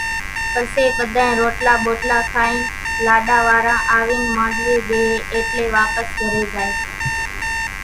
پسيَ ٻڌانئين روٽلا ٻوٽلا کائينَ لاڏا واران آوينَ مانڏوُئيَ ٻيۿيَ ايٽليَ واپس گھرين زائيَ۔